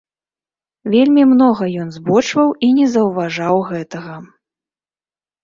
Вельмі многа ён збочваў і не заўважаў гэтага.